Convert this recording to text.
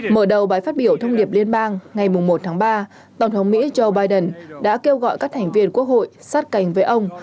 mở đầu bài phát biểu thông điệp liên bang ngày một tháng ba tổng thống mỹ joe biden đã kêu gọi các thành viên quốc hội sát cánh với ông